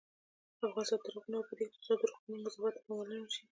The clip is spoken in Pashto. افغانستان تر هغو نه ابادیږي، ترڅو د روغتونونو نظافت ته پاملرنه ونشي.